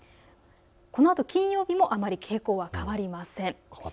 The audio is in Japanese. このあと金曜日もあまり傾向は変わりません。